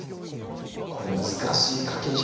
これ難しい駆け引き